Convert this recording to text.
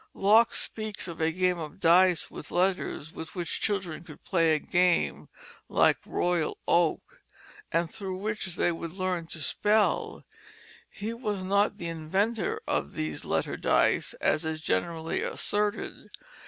Locke speaks of a game of dice with letters with which children could play a game like "royal oak," and through which they would learn to spell. He was not the inventor of these "letter dice," as is generally asserted.